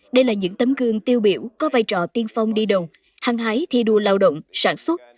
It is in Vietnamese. đây là những tấm gương tiêu biểu có vai trò tiên phong đi đồng hăng hái thi đua lao động sản xuất